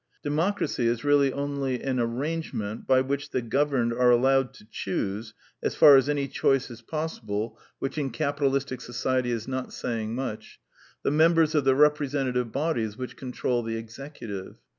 Democracy is really only an arrangement by which the governed are allowed to choose (as far as any choice is possi The Anti Idealist Plays 105 ble, which in capitalistic society is not saying much) the members of the representative bodies which control the executive.